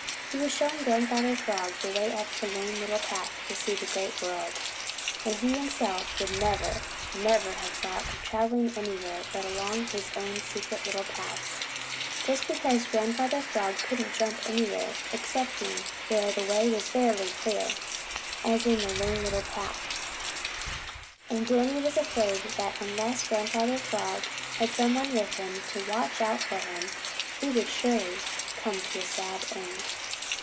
He was showing Grandfather Frog the way up the Lone Little Path to see the Great World, when he himself would never, never have thought of traveling anywhere but along his own secret little paths, just because Grandfather Frog couldn't jump anywhere excepting where the way was fairly clear, as in the Lone Little Path, and Danny was afraid that unless Grandfather Frog had some one with him to watch out for him, he would surely come to a sad end.